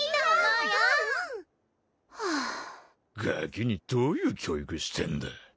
うんうんはあガキにどういう教育してんだ？